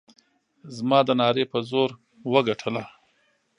زما د نعرې په زور وګټله.